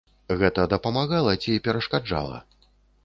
Гэта дапамагала ці перашкаджала?